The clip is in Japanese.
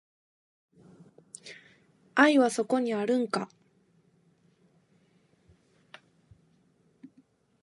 愛はそこにあるんか